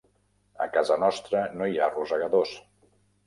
A casa nostra no hi ha rosegadors.